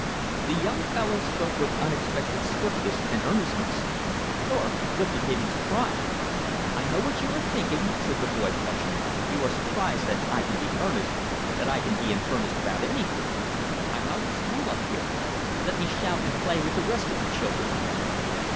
The young follow spoke with unexpected swiftness and earnestness. Thorpe looked at him in surprise. "I know what you are thinking," said the boy, flushing. "You are surprised that I can be in earnest about anything. I'm out of school up here. Let me shout and play with the rest of the children."